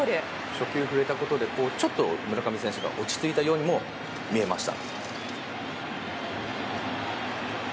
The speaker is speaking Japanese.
初球、振れたことでちょっと村上選手が落ち着いたように見えました。